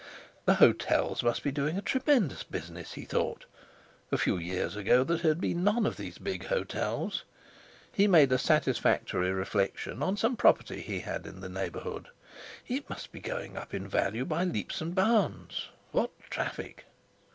"The hotels must be doing a tremendous business," he thought. A few years ago there had been none of these big hotels. He made a satisfactory reflection on some property he had in the neighbourhood. It must be going up in value by leaps and bounds! What traffic!